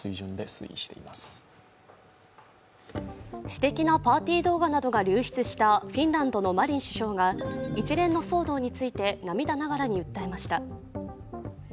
私的なパーティー動画などが流出したフィンランドのマリン首相が一連の騒動について涙ながらに訴えました。